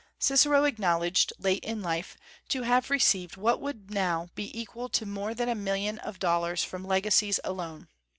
Cicero acknowledged, late in life, to have received what would now be equal to more than a million of dollars from legacies alone.